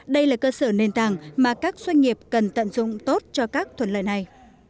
đây là cơ sở nền tảng mà các doanh nghiệp cần tận dụng tốt cho các thuận lợi này